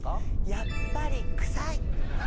やっぱりクサい！